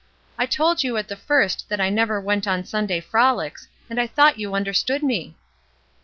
'' I told you at the first that I never went on Sun day frolics, and I thought you understood me."